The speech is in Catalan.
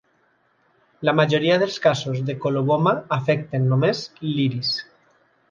La majoria dels casos de coloboma afecten només l'iris.